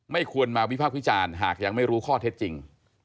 ควรมาวิภาควิจารณ์หากยังไม่รู้ข้อเท็จจริง